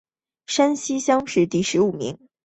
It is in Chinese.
山西乡试第十五名。